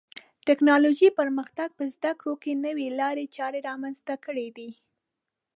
د ټکنالوژۍ پرمختګ په زده کړو کې نوې لارې چارې رامنځته کړې دي.